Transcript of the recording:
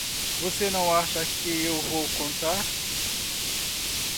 Você não acha que eu vou contar!